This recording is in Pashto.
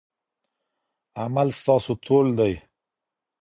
عمل ستاسو تول دی.